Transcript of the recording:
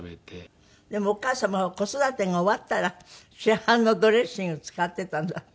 でもお母様は子育てが終わったら市販のドレッシング使ってたんだって？